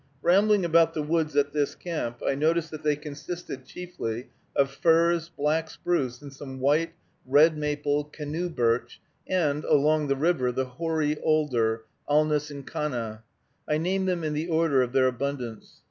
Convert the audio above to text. Rambling about the woods at this camp, I noticed that they consisted chiefly of firs, black spruce, and some white, red maple, canoe birch, and, along the river, the hoary alder (Alnus incana). I name them in the order of their abundance.